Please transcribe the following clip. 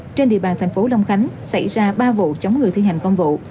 trên địa bàn thành phố long khánh xảy ra ba vụ chống người thi hành công vụ